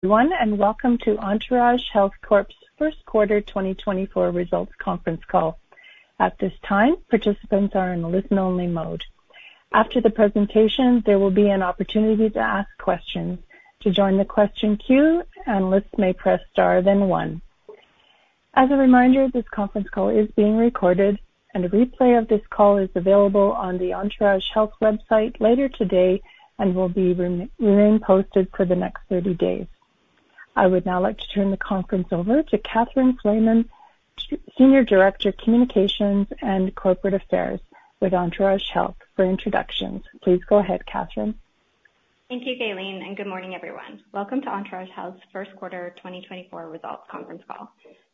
Everyone, and welcome to Entourage Health Corp.'s first quarter 2024 results conference call. At this time, participants are in listen-only mode. After the presentation, there will be an opportunity to ask questions. To join the question queue, analysts may press star then one. As a reminder, this conference call is being recorded, and a replay of this call is available on the Entourage Health website later today and will be re-posted for the next 30 days. I would now like to turn the conference over to Catherine Flaman, Senior Director of Communications and Corporate Affairs with Entourage Health, for introductions. Please go ahead, Catherine. Thank you, Galen, and good morning, everyone. Welcome to Entourage Health's first quarter 2024 results conference call.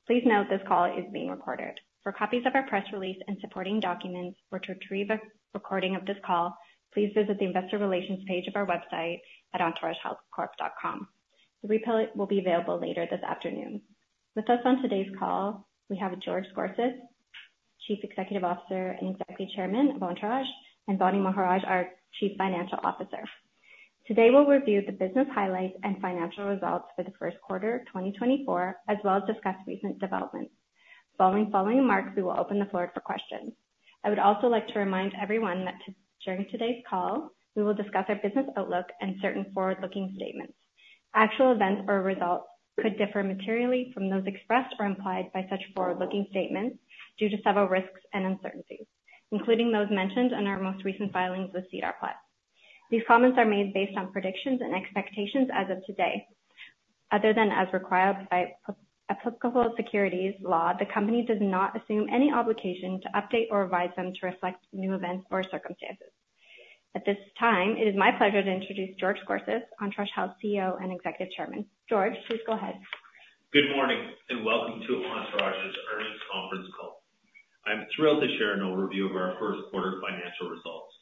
Please note this call is being recorded. For copies of our press release and supporting documents or to retrieve a recording of this call, please visit the investor relations page of our website at entouragehealthcorp.com. The replay will be available later this afternoon. With us on today's call, we have George Scorsis, Chief Executive Officer and Executive Chairman of Entourage, and Vaani Maharaj, our Chief Financial Officer. Today, we'll review the business highlights and financial results for the first quarter of 2024, as well as discuss recent developments. Following remarks, we will open the floor for questions. I would also like to remind everyone that during today's call, we will discuss our business outlook and certain forward-looking statements. Actual events or results could differ materially from those expressed or implied by such forward-looking statements due to several risks and uncertainties, including those mentioned in our most recent filings with SEDAR+. These comments are made based on predictions and expectations as of today. Other than as required by applicable securities law, the company does not assume any obligation to update or revise them to reflect new events or circumstances. At this time, it is my pleasure to introduce George Scorsis, Entourage Health CEO and Executive Chairman. George, please go ahead. Good morning, and welcome to Entourage's earnings conference call. I'm thrilled to share an overview of our first quarter financial results.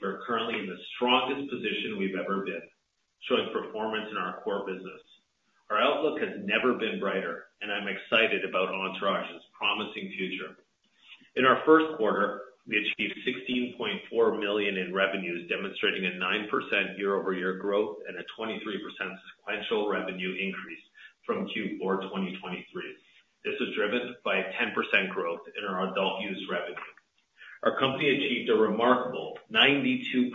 We are currently in the strongest position we've ever been, showing performance in our core business. Our outlook has never been brighter, and I'm excited about Entourage's promising future. In our first quarter, we achieved 16.4 million in revenues, demonstrating a 9% year-over-year growth and a 23% sequential revenue increase from Q4 2023. This was driven by a 10% growth in our adult-use revenue. Our company achieved a remarkable 92%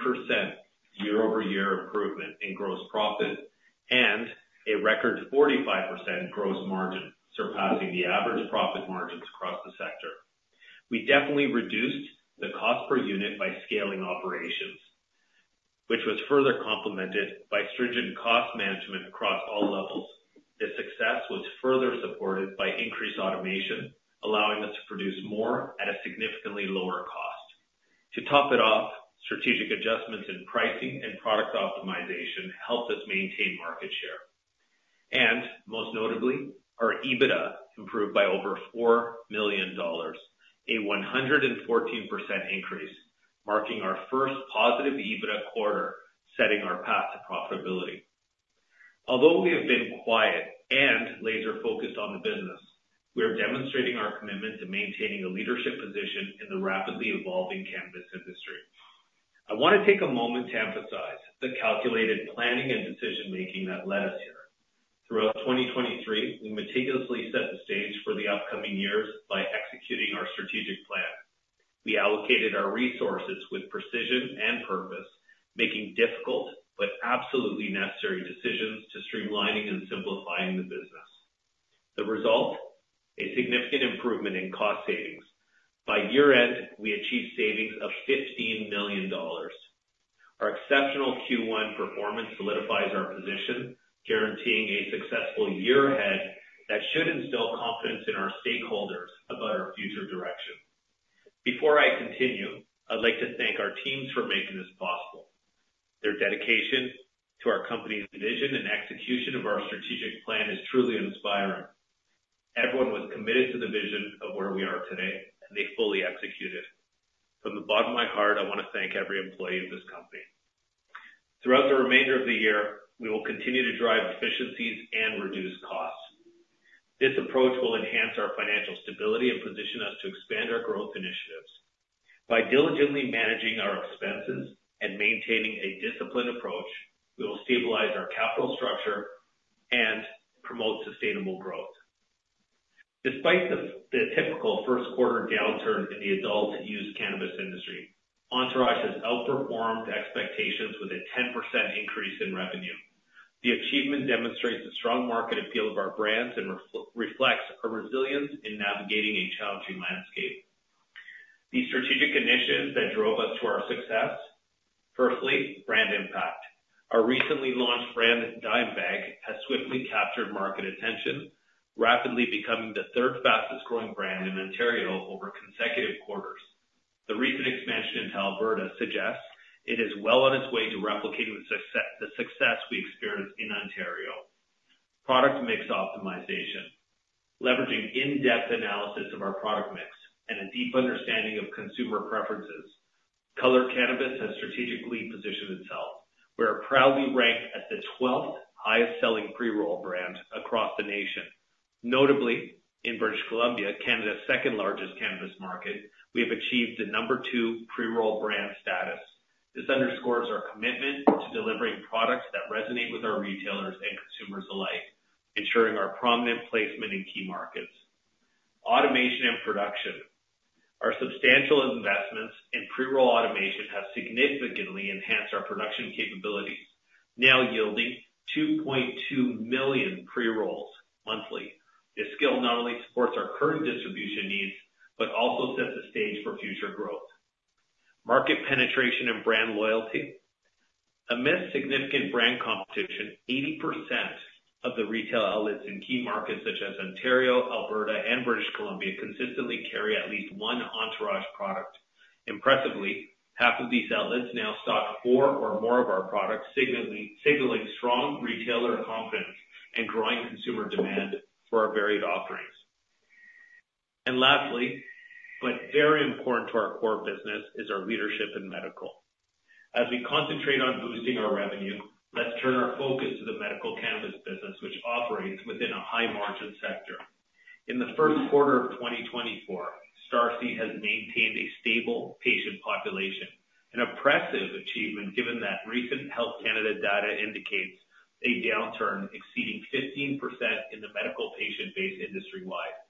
year-over-year improvement in gross profit and a record 45% gross margin, surpassing the average profit margins across the sector. We definitely reduced the cost per unit by scaling operations, which was further complemented by stringent cost management across all levels. This success was further supported by increased automation, allowing us to produce more at a significantly lower cost. To top it off, strategic adjustments in pricing and product optimization helped us maintain market share, and most notably, our EBITDA improved by over 4 million dollars, a 114% increase, marking our first positive EBITDA quarter, setting our path to profitability. Although we have been quiet and laser-focused on the business, we are demonstrating our commitment to maintaining a leadership position in the rapidly evolving cannabis industry. I want to take a moment to emphasize the calculated planning and decision-making that led us here. Throughout 2023, we meticulously set the stage for the upcoming years by executing our strategic plan. We allocated our resources with precision and purpose, making difficult but absolutely necessary decisions to streamlining and simplifying the business. The result? A significant improvement in cost savings. By year-end, we achieved savings of 15 million dollars. Our exceptional Q1 performance solidifies our position, guaranteeing a successful year ahead that should instill confidence in our stakeholders about our future direction. Before I continue, I'd like to thank our teams for making this possible. Their dedication to our company's vision and execution of our strategic plan is truly inspiring. Everyone was committed to the vision of where we are today, and they fully executed. From the bottom of my heart, I want to thank every employee of this company. Throughout the remainder of the year, we will continue to drive efficiencies and reduce costs. This approach will enhance our financial stability and position us to expand our growth initiatives. By diligently managing our expenses and maintaining a disciplined approach, we will stabilize our capital structure and promote sustainable growth. Despite the typical first quarter downturn in the adult-use cannabis industry, Entourage has outperformed expectations with a 10% increase in revenue. The achievement demonstrates the strong market appeal of our brands and reflects our resilience in navigating a challenging landscape. The strategic initiatives that drove us to our success. Firstly, brand impact. Our recently launched brand, Dime Bag, has swiftly captured market attention, rapidly becoming the third fastest-growing brand in Ontario over consecutive quarters. The recent expansion into Alberta suggests it is well on its way to replicating the success we experienced in Ontario. Product mix optimization. Leveraging in-depth analysis of our product mix and a deep understanding of consumer preferences, Color Cannabis has strategically positioned itself. We are proudly ranked as the twelfth highest-selling pre-roll brand across the nation.... Notably, in British Columbia, Canada's second-largest cannabis market, we have achieved the No. 2 pre-roll brand status. This underscores our commitment to delivering products that resonate with our retailers and consumers alike, ensuring our prominent placement in key markets. Automation and production. Our substantial investments in pre-roll automation have significantly enhanced our production capabilities, now yielding 2.2 million pre-rolls monthly. This scale not only supports our current distribution needs, but also sets the stage for future growth. Market penetration and brand loyalty. Amidst significant brand competition, 80% of the retail outlets in key markets such as Ontario, Alberta, and British Columbia consistently carry at least one Entourage product. Impressively, half of these outlets now stock 4 or more of our products, signaling strong retailer confidence and growing consumer demand for our varied offerings. And lastly, but very important to our core business, is our leadership in medical. As we concentrate on boosting our revenue, let's turn our focus to the medical cannabis business, which operates within a high-margin sector. In the first quarter of 2024, Starseed has maintained a stable patient population, an impressive achievement given that recent Health Canada data indicates a downturn exceeding 15% in the medical patient base industry-wide.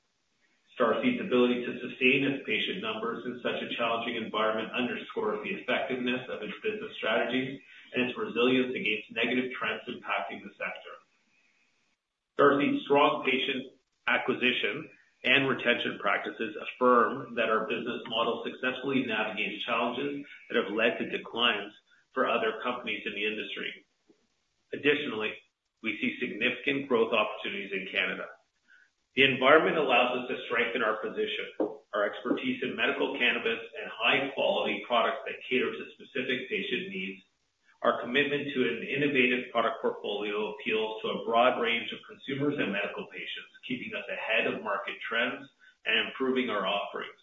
Starseed's ability to sustain its patient numbers in such a challenging environment underscores the effectiveness of its business strategies and its resilience against negative trends impacting the sector. Starseed's strong patient acquisition and retention practices affirm that our business model successfully navigates challenges that have led to declines for other companies in the industry. Additionally, we see significant growth opportunities in Canada. The environment allows us to strengthen our position, our expertise in medical cannabis, and high-quality products that cater to specific patient needs. Our commitment to an innovative product portfolio appeals to a broad range of consumers and medical patients, keeping us ahead of market trends and improving our offerings.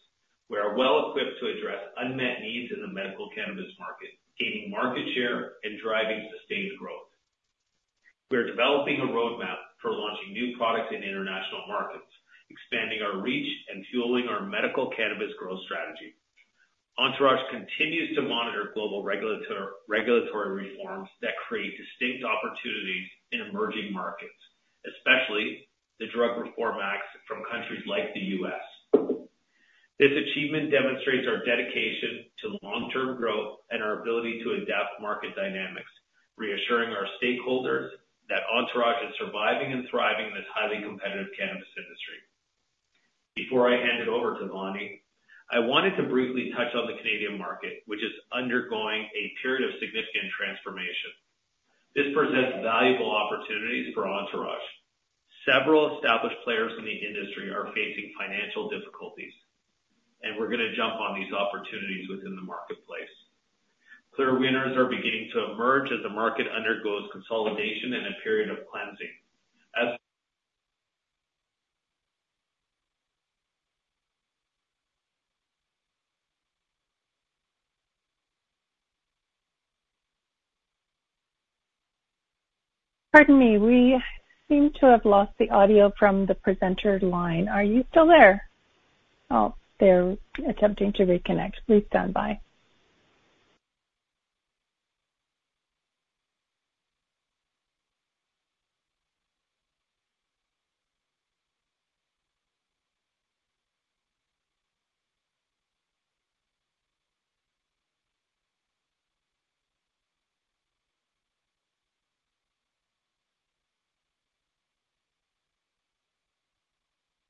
We are well-equipped to address unmet needs in the medical cannabis market, gaining market share and driving sustained growth. We are developing a roadmap for launching new products in international markets, expanding our reach and fueling our medical cannabis growth strategy. Entourage continues to monitor global regulatory reforms that create distinct opportunities in emerging markets, especially the drug reform act from countries like the U.S. This achievement demonstrates our dedication to long-term growth and our ability to adapt market dynamics, reassuring our stakeholders that Entourage is surviving and thriving in this highly competitive cannabis industry. Before I hand it over to Vaani Maharaj, I wanted to briefly touch on the Canadian market, which is undergoing a period of significant transformation. This presents valuable opportunities for Entourage. Several established players in the industry are facing financial difficulties, and we're gonna jump on these opportunities within the marketplace. Clear winners are beginning to emerge as the market undergoes consolidation and a period of cleansing. As- Pardon me, we seem to have lost the audio from the presenter line. Are you still there? Oh, they're attempting to reconnect. Please stand by.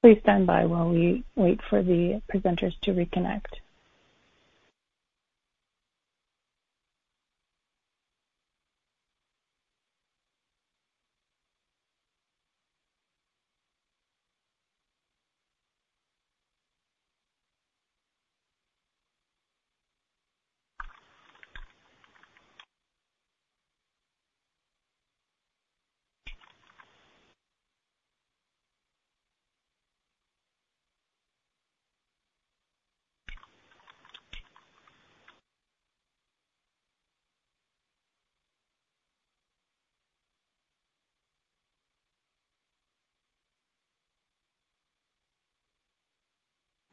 Please stand by while we wait for the presenters to reconnect.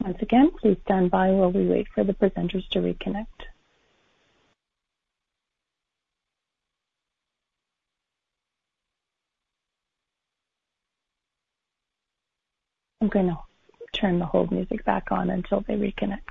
Once again, please stand by while we wait for the presenters to reconnect. I'm gonna turn the hold music back on until they reconnect.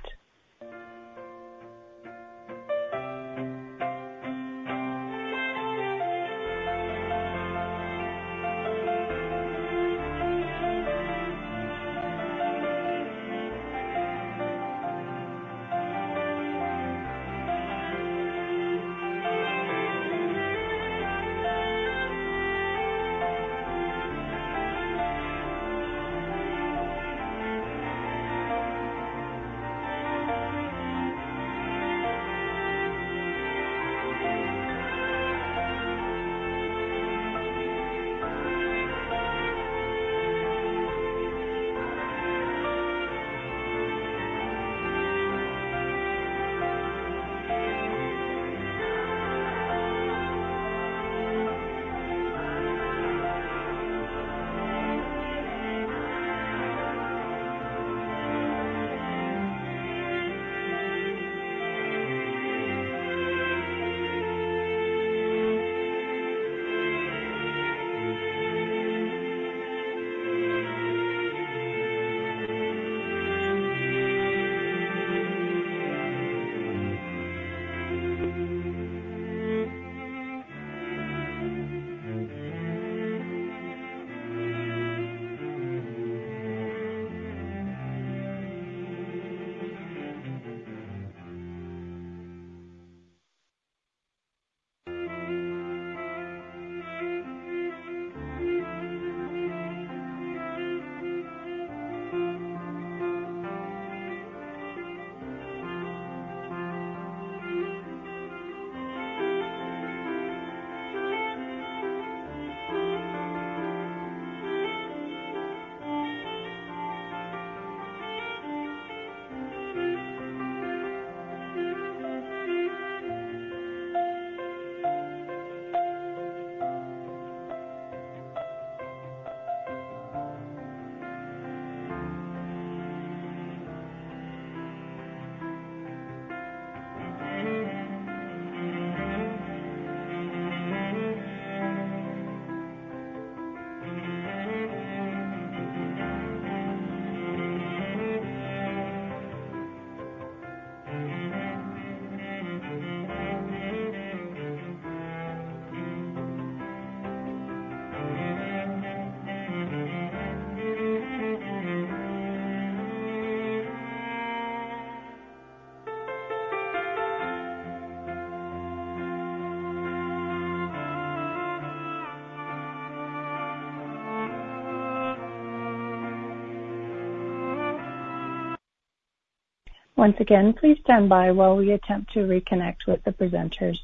Once again, please stand by while we attempt to reconnect with the presenters.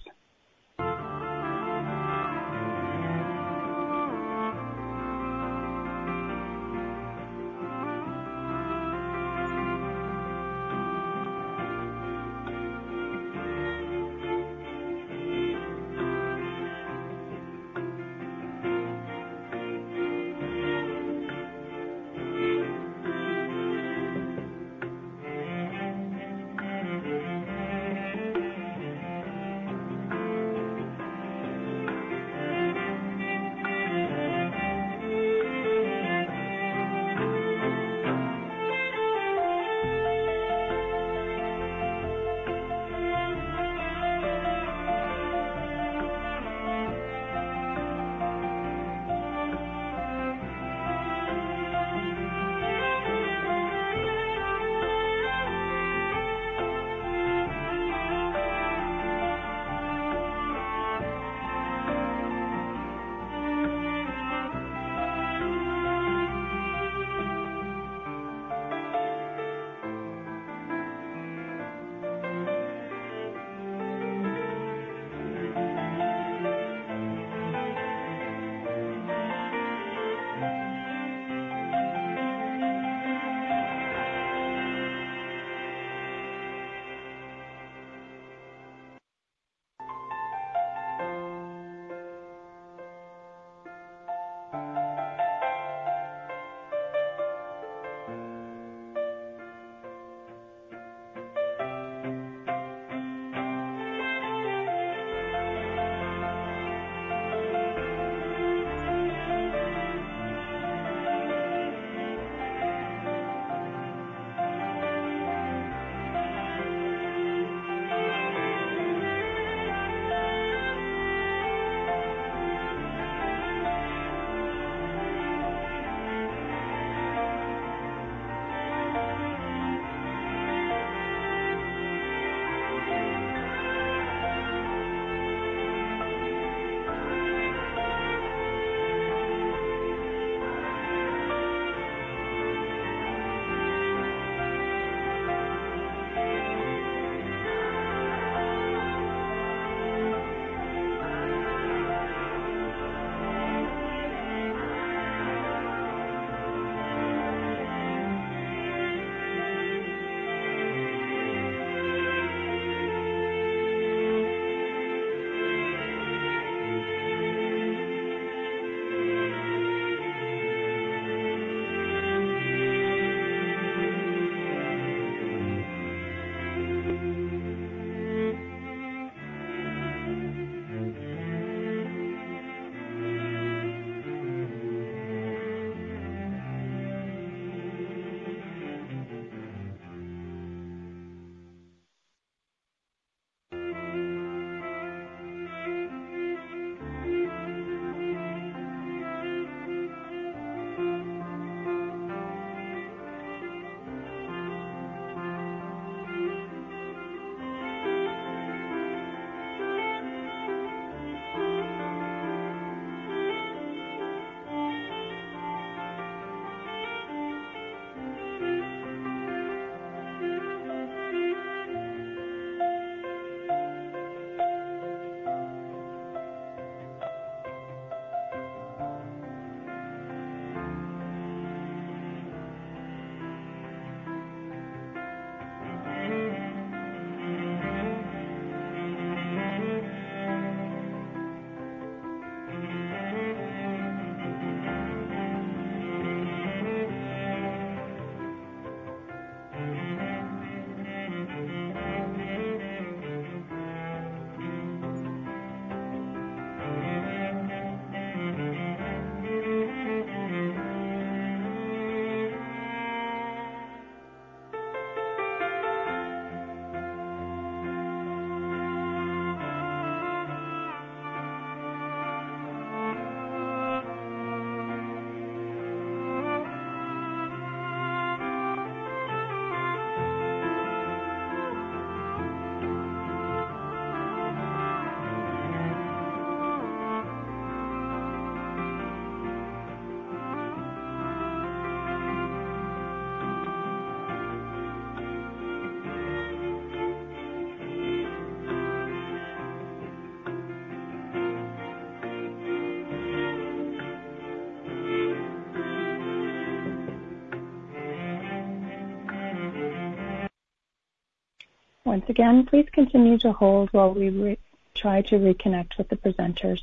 Once again, please continue to hold while we retry to reconnect with the presenters.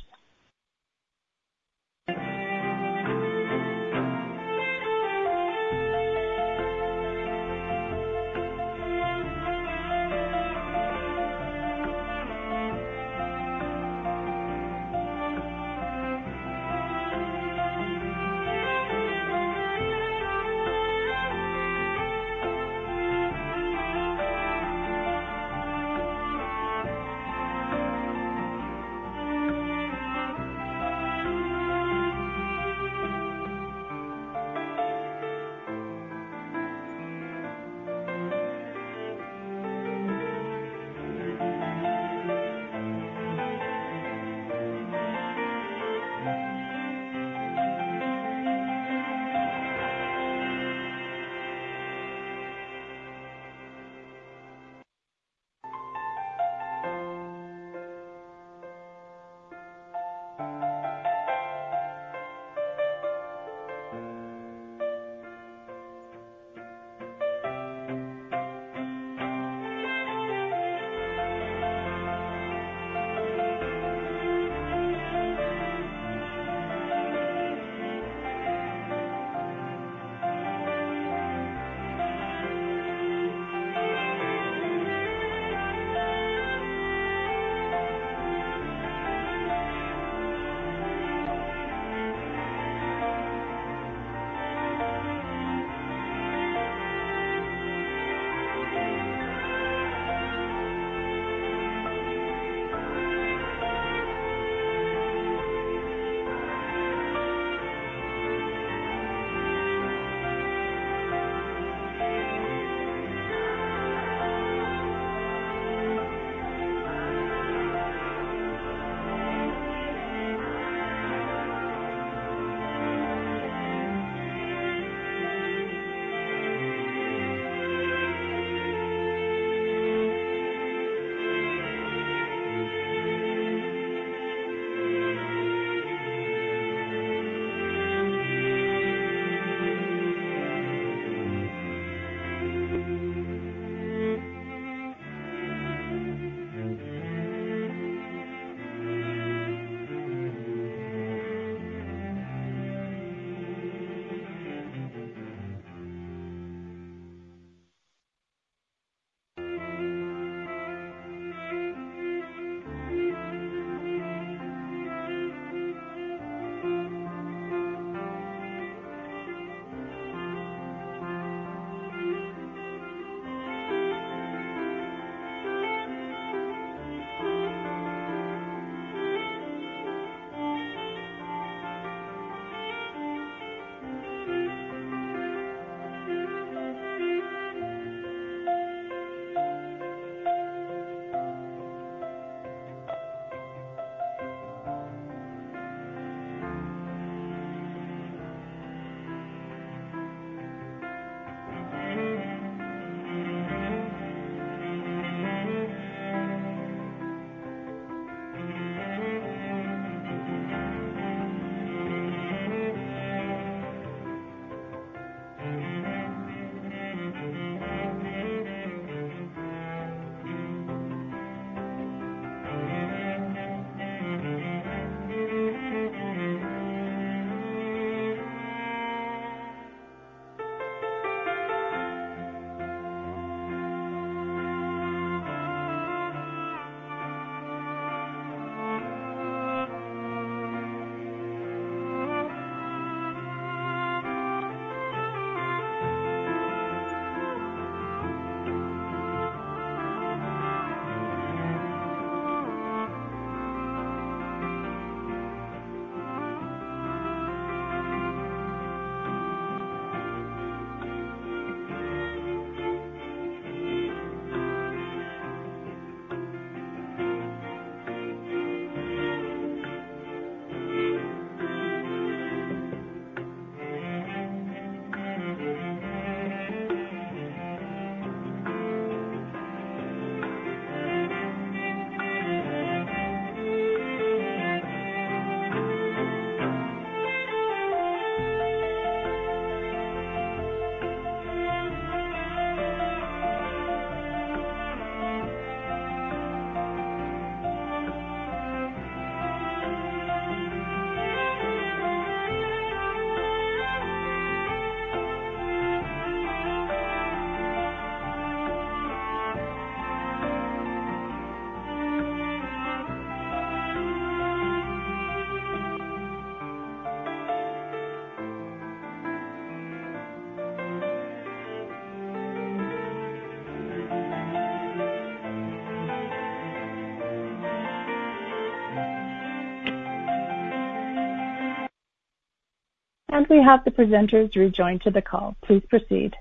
We have the presenters rejoined to the call. Please proceed.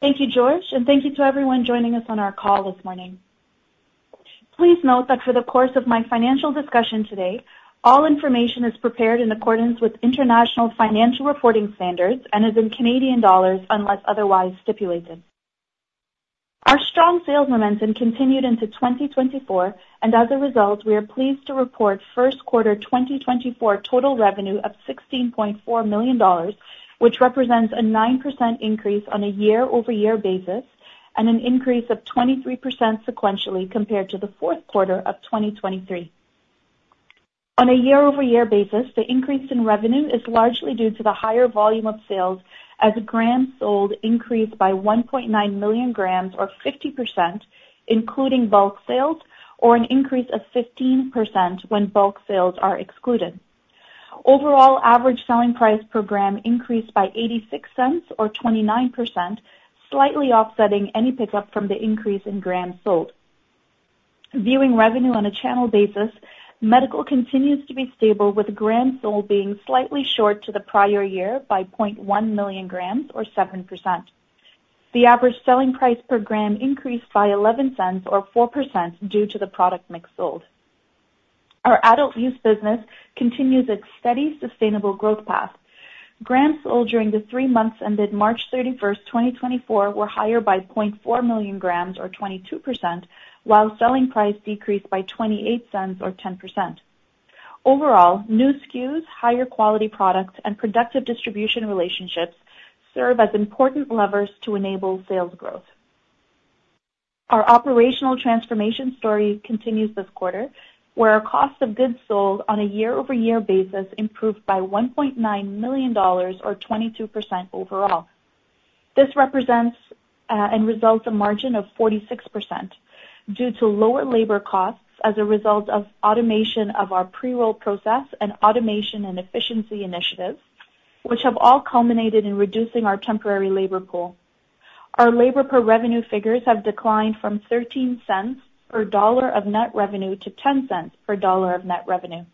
Thank you, George, and thank you to everyone joining us on our call this morning. Please note that for the course of my financial discussion today, all information is prepared in accordance with International Financial Reporting Standards and is in Canadian dollars, unless otherwise stipulated. Our strong sales momentum continued into 2024, and as a result, we are pleased to report first quarter 2024 total revenue of CAD 16.4 million, which represents a 9% increase on a year-over-year basis and an increase of 23% sequentially, compared to the fourth quarter of 2023. On a year-over-year basis, the increase in revenue is largely due to the higher volume of sales, as grams sold increased by 1.9 million grams, or 50%, including bulk sales, or an increase of 15% when bulk sales are excluded. Overall, average selling price per gram increased by 0.86, or 29%, slightly offsetting any pickup from the increase in grams sold. Viewing revenue on a channel basis, medical continues to be stable, with grams sold being slightly short to the prior year by 0.1 million grams or 7%. The average selling price per gram increased by 0.11, or 4%, due to the product mix sold. Our adult use business continues its steady, sustainable growth path. Grams sold during the three months ended March 31, 2024, were higher by 0.4 million grams or 22%, while selling price decreased by 0.28 or 10%. Overall, new SKUs, higher quality products, and productive distribution relationships serve as important levers to enable sales growth. Our operational transformation story continues this quarter, where our cost of goods sold on a year-over-year basis improved by 1.9 million dollars or 22% overall. This represents and results a margin of 46% due to lower labor costs as a result of automation of our pre-roll process and automation and efficiency initiatives, which have all culminated in reducing our temporary labor pool. Our labor per revenue figures have declined from 0.13 per dollar of net revenue to 0.10 per dollar of net revenue.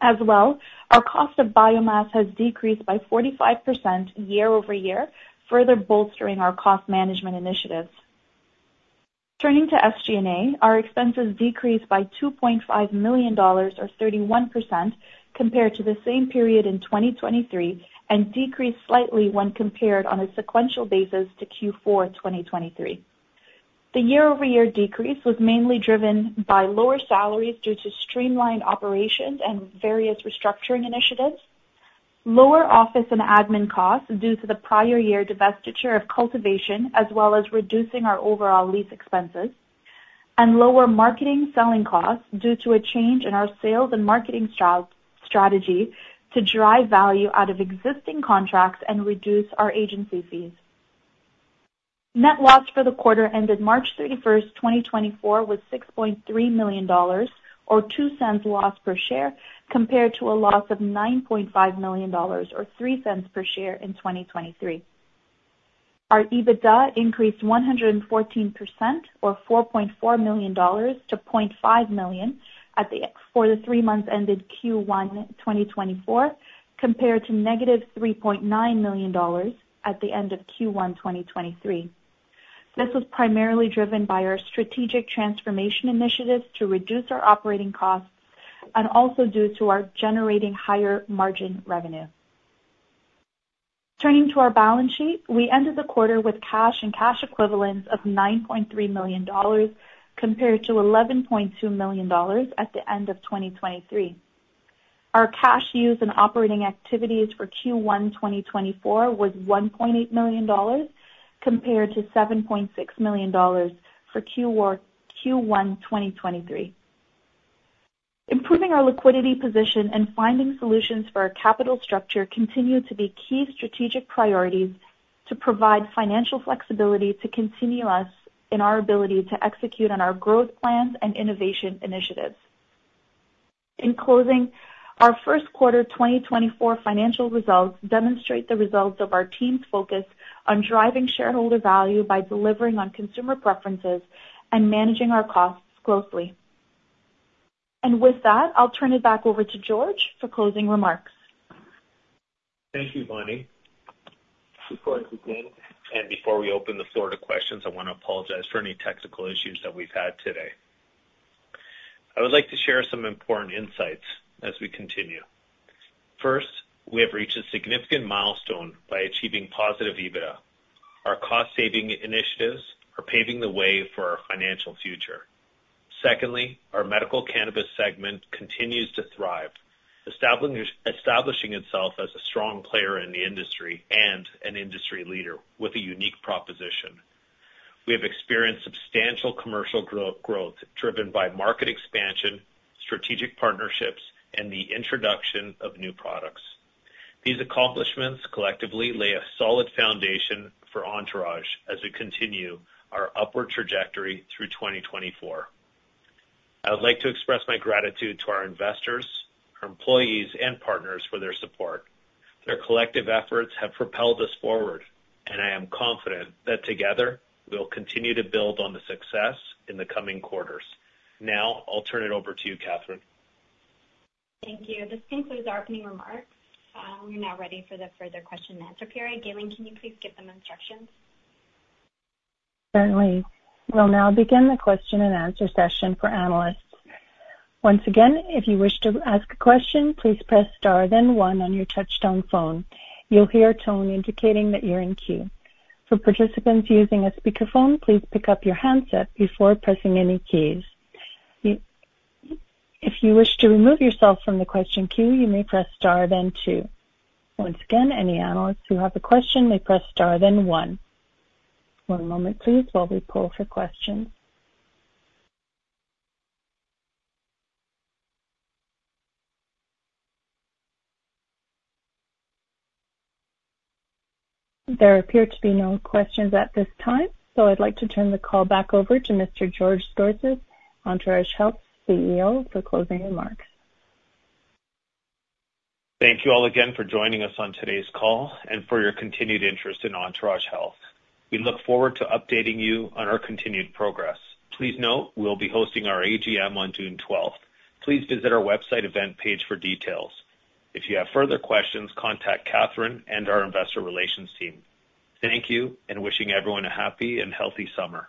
As well, our cost of biomass has decreased by 45% year-over-year, further bolstering our cost management initiatives. Turning to SG&A, our expenses decreased by 2.5 million dollars or 31% compared to the same period in 2023, and decreased slightly when compared on a sequential basis to Q4 2023. The year-over-year decrease was mainly driven by lower salaries due to streamlined operations and various restructuring initiatives, lower office and admin costs due to the prior year divestiture of cultivation, as well as reducing our overall lease expenses, and lower marketing selling costs due to a change in our sales and marketing strategy to drive value out of existing contracts and reduce our agency fees. Net loss for the quarter ended March 31, 2024, was 6.3 million dollars, or 0.02 loss per share, compared to a loss of 9.5 million dollars, or 0.03 per share in 2023. Our EBITDA increased 114%, or 4.4 million dollars to 0.5 million for the three months ended Q1 2024, compared to -3.9 million dollars at the end of Q1 2023. This was primarily driven by our strategic transformation initiatives to reduce our operating costs and also due to our generating higher margin revenue. Turning to our balance sheet, we ended the quarter with cash and cash equivalents of 9.3 million dollars, compared to 11.2 million dollars at the end of 2023. Our cash use and operating activities for Q1 2024 was 1.8 million dollars, compared to 7.6 million dollars for Q1 2023. Improving our liquidity position and finding solutions for our capital structure continue to be key strategic priorities to provide financial flexibility, to continue us in our ability to execute on our growth plans and innovation initiatives. In closing, our first quarter 2024 financial results demonstrate the results of our team's focus on driving shareholder value by delivering on consumer preferences and managing our costs closely. With that, I'll turn it back over to George for closing remarks. Thank you, Vaani. Before we open the floor to questions, I want to apologize for any technical issues that we've had today. I would like to share some important insights as we continue. First, we have reached a significant milestone by achieving positive EBITDA. Our cost saving initiatives are paving the way for our financial future. Secondly, our medical cannabis segment continues to thrive, establishing itself as a strong player in the industry and an industry leader with a unique proposition. We have experienced substantial commercial growth driven by market expansion, strategic partnerships, and the introduction of new products. These accomplishments collectively lay a solid foundation for Entourage as we continue our upward trajectory through 2024. I would like to express my gratitude to our investors, our employees, and partners for their support. Their collective efforts have propelled us forward, and I am confident that together, we'll continue to build on the success in the coming quarters. Now, I'll turn it over to you, Catherine. Thank you. This concludes our opening remarks. We're now ready for the further question and answer period. Galen, can you please give them instructions? Certainly. We'll now begin the question and answer session for analysts. Once again, if you wish to ask a question, please press star then one on your touchtone phone. You'll hear a tone indicating that you're in queue. For participants using a speakerphone, please pick up your handset before pressing any keys. If you wish to remove yourself from the question queue, you may press star then two. Once again, any analysts who have a question may press star then one. One moment, please, while we pull for questions. There appear to be no questions at this time, so I'd like to turn the call back over to Mr. George Scorsis, Entourage Health CEO, for closing remarks. Thank you all again for joining us on today's call and for your continued interest in Entourage Health. We look forward to updating you on our continued progress. Please note, we'll be hosting our AGM on June twelfth. Please visit our website event page for details. If you have further questions, contact Catherine and our investor relations team. Thank you, and wishing everyone a happy and healthy summer.